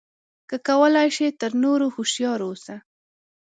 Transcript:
که کولای شې تر نورو هوښیار اوسه.